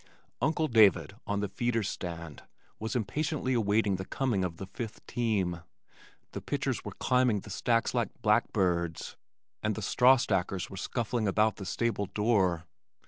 Uncle David on the feeder's stand was impatiently awaiting the coming of the fifth team. The pitchers were climbing the stacks like blackbirds, and the straw stackers were scuffling about the stable door.